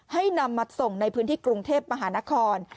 ให้นำมาส่งในพื้นที่กรุงเทพมหานคร